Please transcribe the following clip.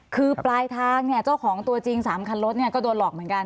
คือปลายทางเนี่ยเจ้าของตัวจริง๓คันรถก็โดนหลอกเหมือนกัน